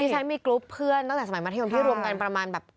ฉันมีกรุ๊ปเพื่อนตั้งแต่สมัยมัธยมที่รวมกันประมาณแบบ